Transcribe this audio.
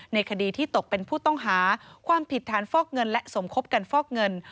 ในคดีที่ตกเป็นผู้ต้องหาความผิดฐานฟอกเงินและสมคบกันฟอกเงิน